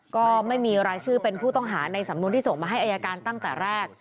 ก็ไม่มีรายชื่อเป็นผู้ต้องหาในสำนวนที่ส่งมาให้อายการตั้งแต่แรก